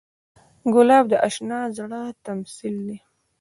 ګلاب د اشنا زړه تمثیل دی.